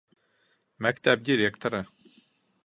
Мәктәп директоры